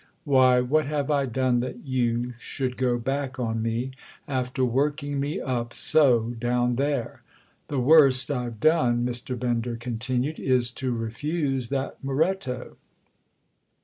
Why, what have I done that you should go back on me—after working me up so down there? The worst I've done," Mr. Bender continued, "is to refuse that Moretto."